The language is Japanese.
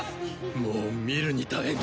もう見るに堪えん！